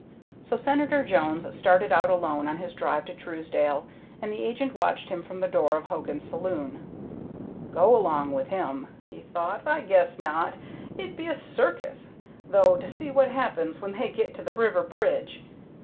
So Senator Jones started out alone on his drive to Truesdale, and the agent watched him from the door of Hogan's saloon. "Go along with him!" he thought. "I guess not. It'd be a circus, though, to see what happens when they get to the river bridge."